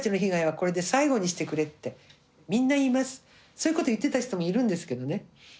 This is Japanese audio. そういうこと言ってた人もいるんですけどね。